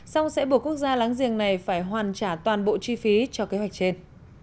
song sẽ buộc quốc gia láng giềng này phải hoàn trả toàn bộ chi phí cho kế hoạch trên